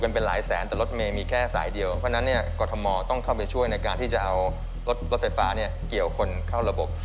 เพราะฉะนั้นก็ต้องเข้าไปช่วยในการที่จะเอารถไฟฟ้ากานเกี่ยวคนเข้าระบบ